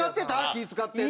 気ぃ使ってるの。